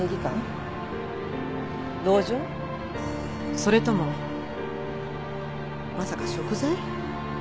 それともまさか贖罪？